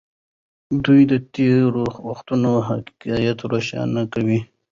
دوی د تېرو وختونو حقایق روښانه کوي.